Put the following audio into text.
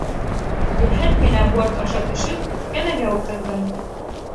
Йәһәт кенә борт аша төшөп, кәмәгә ултырҙым.